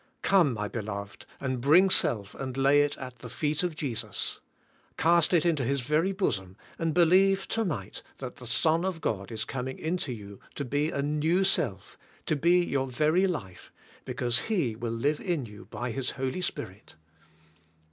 Come my beloved and bring self and lay it at the feet of Jesus. Cast it into His very bosom and believe tonight that the Son of God is coming into you to be a new self, to be your very life, because He will live in you by His Holy Spirit.